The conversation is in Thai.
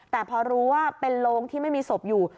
แต่พอรู้ว่าเป็นโรงที่ไม่มีศพอยู่